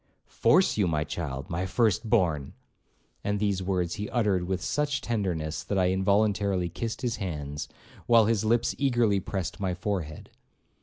'Force you, my child, my firstborn!' And these words he uttered with such tenderness, that I involuntarily kissed his hands, while his lips eagerly pressed my forehead.